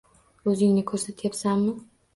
O`zingni ko`rsatyapsanmi